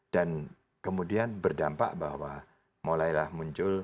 dan kemudian berdampak bahwa mulailah muncul